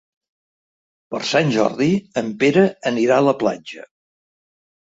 Per Sant Jordi en Pere anirà a la platja.